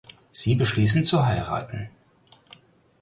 Sie beschließen zu heiraten.